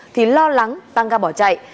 thì lo lắng tăng ga bỏ chạy